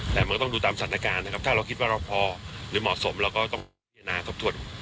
แต่มันต้องดูตามศัทรการครับถ้าเรารู้พอหรือเหมาะสมเราก็จะต้องเกียรติวน้ำทบทวด